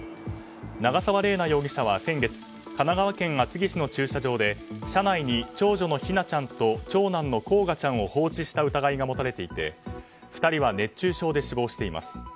長沢麗奈容疑者は先月神奈川県厚木市の駐車場で車内に長女の姫梛ちゃんと長男の煌翔ちゃんを放置した疑いが持たれていて２人は熱中症で死亡しています。